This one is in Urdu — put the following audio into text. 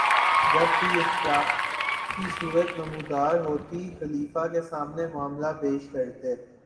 جب کوئی اختلافی صورت نمودار ہوتی، خلیفہ کے سامنے معاملہ پیش کرتے